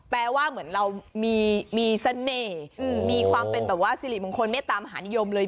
แปลว่าเหมือนเรามีเสน่ห์มีความเป็นแบบว่าสิริมงคลเมตตามหานิยมเลย